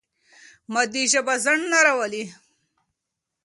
مادي ژبه ځنډ نه راولي.